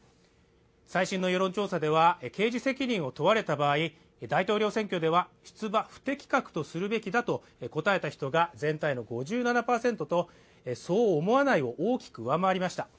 最新の世論調査では刑事責任を問われた場合大統領選挙では、出馬不適格とするべきだと答えた人が全体の５７％とそう思わないを大きく上回りました